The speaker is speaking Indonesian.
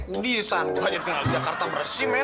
kudishan tu aja tinggal di jakarta bersih men